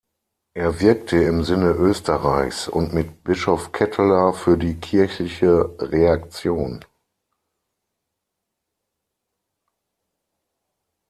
Er wirkte im Sinne Österreichs und mit Bischof Ketteler für die kirchliche Reaktion.